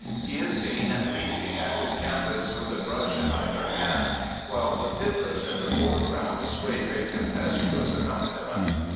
He is seen leaping at his canvas with a brush in either hand, while the fiddlers in the foreground scrape a t^Qpes* tuous accompaniment.